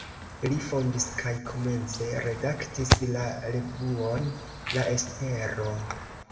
Li fondis kaj komence redaktis la revuon "La Espero".